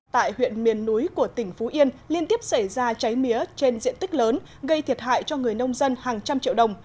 tại huyện miền núi của tỉnh phú yên liên tiếp xảy ra cháy mía trên diện tích lớn gây thiệt hại cho người nông dân hàng trăm triệu đồng